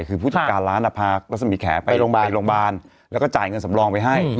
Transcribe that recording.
คือผู้จัดการร้านพารัศมีแขไปโรงพยาบาลแล้วก็จ่ายเงินสำรองไปให้